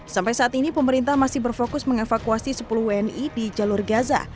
sampai saat ini pemerintah masih berfokus mengevakuasi sepuluh wni di jalur gaza